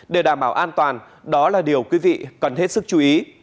để đảm bảo an toàn đó là điều quý vị cần hết sức chú ý